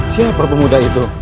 siapa pemuda itu